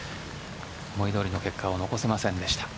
思いどおりの結果を残せませんでした。